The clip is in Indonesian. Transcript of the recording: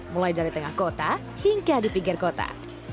mulai dari tengah kota hingga di pinggir kota